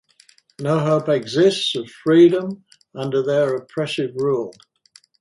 No hope exists of freedom under their oppressive rule.